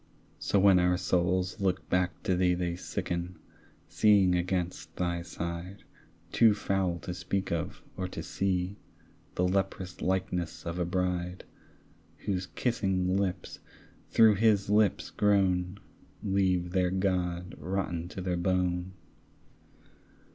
So when our souls look back to thee They sicken, seeing against thy side, Too foul to speak of or to see, The leprous likeness of a bride, Whose kissing lips through his lips grown Leave their God rotten to the bone.